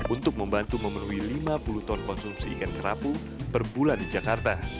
untuk membantu memenuhi lima puluh ton konsumsi ikan kerapu per bulan di jakarta